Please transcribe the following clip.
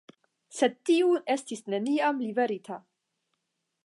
Sed tiu estis neniam liverita.